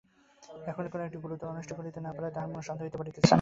এখনি কোনো একটা গুরুতর অনিষ্ট করিতে না পারিলে তাহার মন শান্ত হইতে পারিতেছে না।